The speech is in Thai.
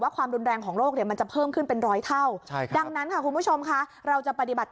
อย่างหมอยมูนราก